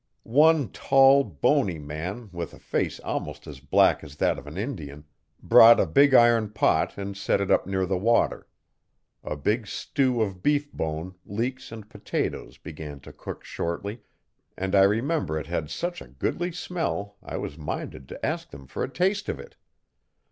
One tall, bony man, with a face almost as black as that of an Indian, brought a big iron pot and set it up near the water. A big stew of beef bone, leeks and potatoes began to cook shortly, and I remember it had such a goodly smell I was minded to ask them for a taste of it.